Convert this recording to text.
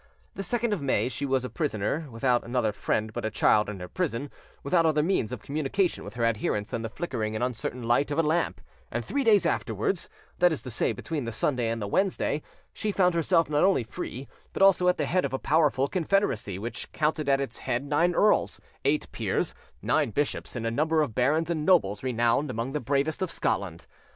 The 2nd of May she was a prisoner, without another friend but a child in her prison, without other means of communication with her adherents than the flickering and uncertain light of a lamp, and three days afterwards—that is to say, between the Sunday and the Wednesday—she found herself not only free, but also at the head of a powerful confederacy, which counted at its head nine earls, eight peers, nine bishops, and a number of barons and nobles renowned among the bravest of Scotland.